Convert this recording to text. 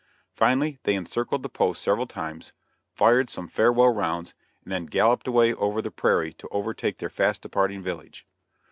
Finally, they encircled the post several times, fired some farewell rounds, and then galloped away over the prairie to overtake their fast departing village.